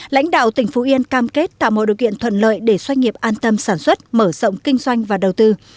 lãnh đạo tỉnh phú yên cam kết tạo mọi điều kiện thuận lợi để doanh nghiệp an tâm sản xuất mở rộng kinh doanh và đầu tư